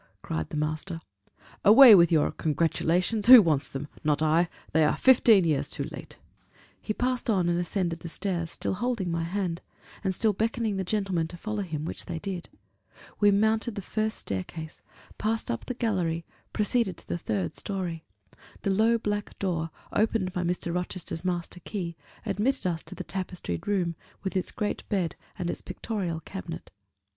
cried the master: "away with your congratulations! Who wants them? Not I! they are fifteen years too late!" He passed on and ascended the stairs, still holding my hand, and still beckoning the gentlemen to follow him; which they did. We mounted the first staircase, passed up the gallery, proceeded to the third story: the low black door, opened by Mr. Rochester's master key, admitted us to the tapestried room, with its great bed and its pictorial cabinet.